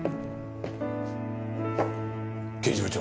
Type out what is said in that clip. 刑事部長！